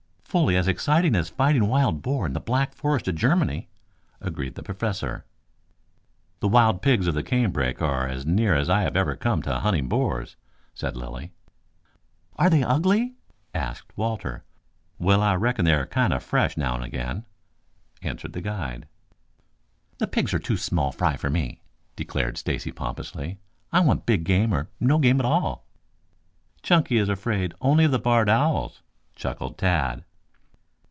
"Fully as exciting as fighting wild boar in the Black Forest of Germany," agreed the Professor. "The wild pigs of the canebrake are as near as I have ever come to hunting boars," said Lilly. "Are they ugly?" asked Walter. "Well, I reckon they are kind of fresh now and again," answered the guide. "The pigs are too small fry for me," declared Stacy pompously. "I want big game or no game at all." "Chunky is afraid only of the barred owls," chuckled Tad.